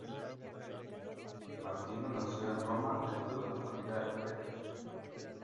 Martino nació en Roma dentro de una familia de arquitectos.